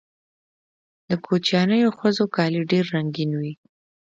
د کوچیانیو ښځو کالي ډیر رنګین وي.